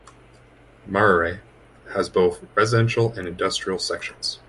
Murarrie has both residential and industrial sections.